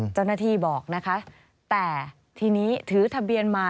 เจ้าหน้าที่บอกนะคะแต่ทีนี้ถือทะเบียนมา